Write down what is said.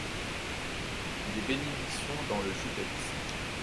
Des bénédictions dans le judaïsme.